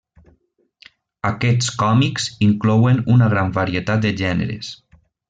Aquests còmics inclouen una gran varietat de gèneres.